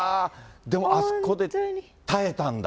でも、あそこで耐えたんだ？